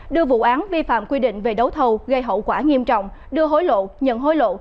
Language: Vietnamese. đưa vụ án vi phạm quy định về đấu thầu gây hậu quả nghiêm trọng đưa hối lộ nhận hối lộ